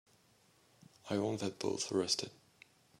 I want them both arrested.